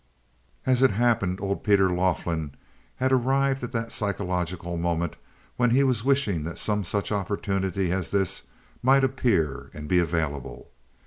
As it happened, old Peter Laughlin had arrived at that psychological moment when he was wishing that some such opportunity as this might appear and be available.